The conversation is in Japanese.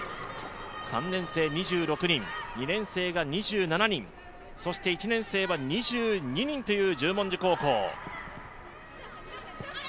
３年生２６人、２年生が２７人、そして１年生は２２人という十文字高校。